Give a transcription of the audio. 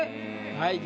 はい。